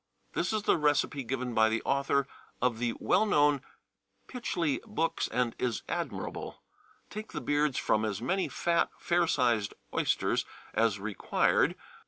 2. This is the recipe given by the author of the well known Pytchley Books, and is admirable. Take the beards from as many fat, fair sized oysters as required.